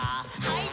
はい。